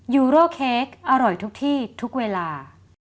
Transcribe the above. ยูโร่เค้กอร่อยทุกที่ทุกเวลา